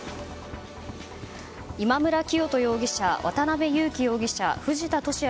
今村磨人容疑者、渡辺優樹容疑者藤田聖也